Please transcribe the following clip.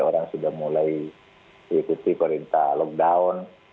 orang sudah mulai mengikuti perintah lockdown